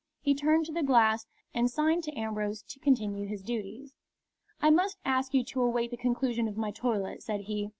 He turned to the glass and signed to Ambrose to continue his duties. "I must ask you to await the conclusion of my toilet," said he.